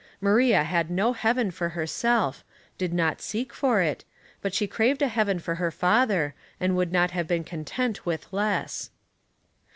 Maria had no heaven for herself, did not seek for it, but she craved a heaven for her father, and would not have been content with less.